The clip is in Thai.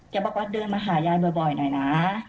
บอกว่าเดินมาหายายบ่อยหน่อยนะ